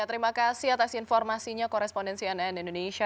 terima kasih atas informasinya korespondensi nn indonesia